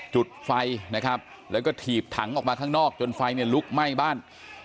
จุดไฟนะครับแล้วก็ถีบถังออกมาข้างนอกจนไฟเนี่ยลุกไหม้บ้าน